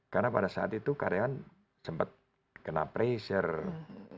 karena pada saat itu karyawan sempat kena pressure